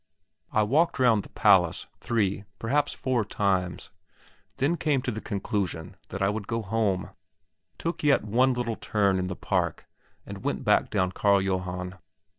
I walked round the palace three, perhaps four, times, then came to the conclusion that I would go home, took yet one little turn in the park and went back down Carl Johann.